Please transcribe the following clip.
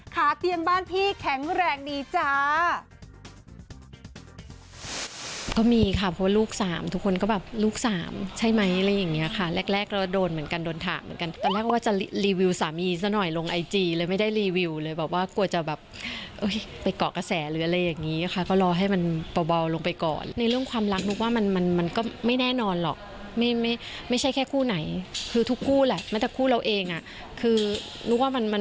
ขาเตียงบ้านพี่แข็งแรงดีจ้า